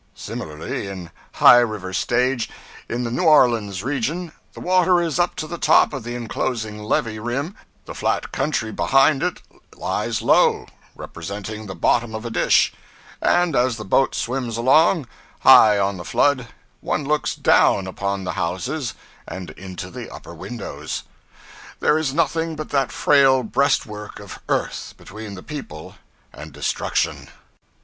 Similarly, in high river stage, in the New Orleans region, the water is up to the top of the enclosing levee rim, the flat country behind it lies low representing the bottom of a dish and as the boat swims along, high on the flood, one looks down upon the houses and into the upper windows. There is nothing but that frail breastwork of earth between the people and destruction.